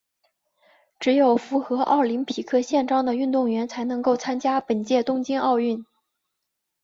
只有符合奥林匹克宪章的运动员才能够参加本届东京奥运。